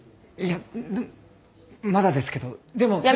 いやまだですけどでも。